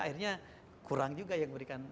akhirnya kurang juga yang memberikan